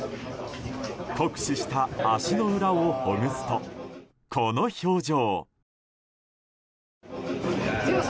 酷使した足の裏をほぐすとこの表情。